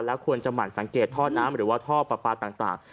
ควรจะหั่นสังเกตท่อน้ำหรือว่าท่อปลาปลาต่าง